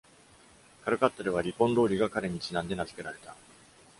カルカッタでは、Ripon 通りが彼にちなんで名づけられた。